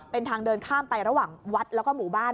เป็นทางเดินข้ามไประหว่างวัดแล้วก็หมู่บ้าน